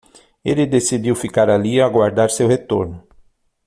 Ele decidiu ficar ali e aguardar seu retorno.